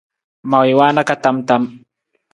Ma wii waana ka tam tam.